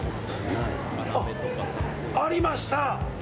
あ、ありました！